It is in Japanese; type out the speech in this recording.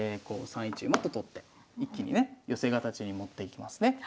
こう３一馬と取って一気にね寄せ形に持っていきますね。